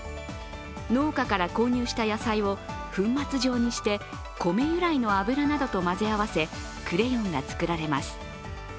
農家から購入した野菜を粉末状にしてコメ由来の油などと混ぜ合わせクレヨンが作られます。